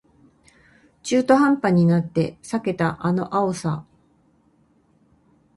中途半端になって避けたあの青さ